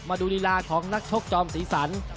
มาดูลีลาของนักชกจอมสีสัน